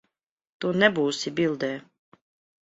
Tu nebūsi bildē.